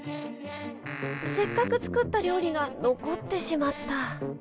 せっかく作った料理が残ってしまった。